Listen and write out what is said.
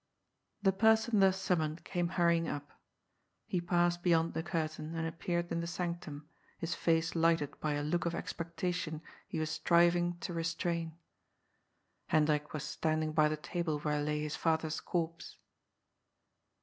The person thus summoned came hurrying up. He passed beyond the curtain, and appeared in the sanctum, his face lighted by a look of expectation he was striving to 106 C^OD'S FOOL. restrain. Hendrik was standing by the table where lay his father's corpse.